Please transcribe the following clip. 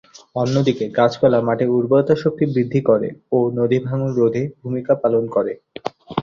অন্যদিকে গাছপালা মাটির উর্বরতা শক্তি বৃদ্ধি করে ও নদীভাঙ্গন রোধে ভূমিকা পালন করে।